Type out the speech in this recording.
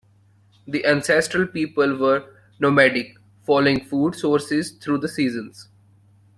The ancestral people were nomadic, following food sources through the seasons.